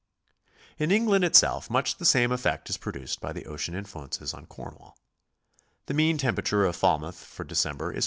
In England itself much the same effect is produced by the ocean influences on Cornwall. The mean temperature of Falmouth for December is 44.